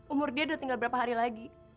umur dia udah tinggal berapa hari lagi